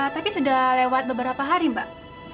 tapi sudah lewat beberapa hari mbak